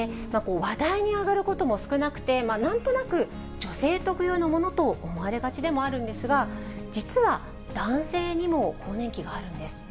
話題に上がることも少なくて、なんとなく女性特有のものと思われがちでもあるんですが、実は男性にも更年期があるんです。